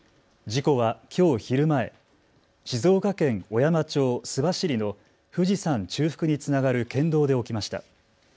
事故はきょう昼前、静岡県小山町須走の富士山中腹につながる県道で起きました。